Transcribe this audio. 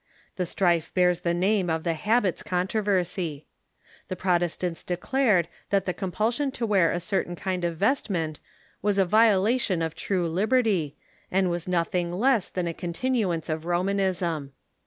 The strife bears the name of the Habits Con troversy. The Protestants declared that the compulsion to "wear a certain kind of vestment was a violation of true lib erty, and was nothing less than a continuance of Romanism.